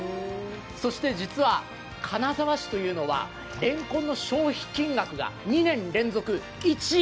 そして実は金沢市というのはれんこんの消費金額が２年連続１位。